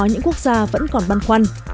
những quốc gia vẫn còn băn khoăn